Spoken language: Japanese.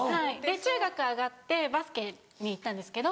中学上がってバスケに行ったんですけど。